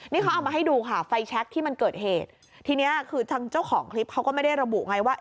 นี่เขาเอามาให้ดูค่ะไฟแชคที่มันเกิดเหตุทีเนี้ยคือทางเจ้าของคลิปเขาก็ไม่ได้ระบุไงว่า